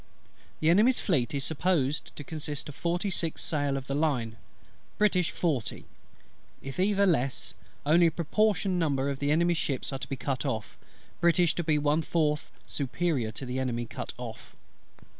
The Enemy's Fleet is supposed to consist of forty six sail of the line; British, forty: if either is less, only a proportional number of Enemy's ships are to be cut off; British to be one fourth superior to the Enemy cut off.